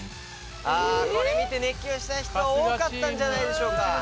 あこれ見て熱狂した人は多かったんじゃないでしょうか？